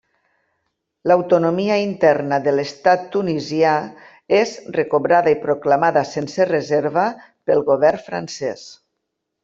L'autonomia interna de l'estat tunisià és recobrada i proclamada sense reserva pel govern francès.